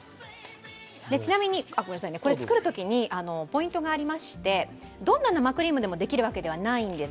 ちなみに作るときにポイントがありまして、どんな生クリームでもできるわけではないんです。